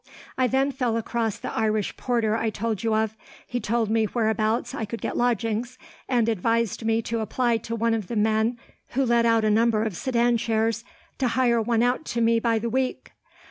"I then fell across the Irish porter I told you of. He told me whereabouts I could get lodgings, and advised me to apply to one of the men who let out a number of sedan chairs, to hire one out to me by the week.